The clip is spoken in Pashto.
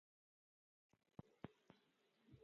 ازادي راډیو د د ښځو حقونه اړوند مرکې کړي.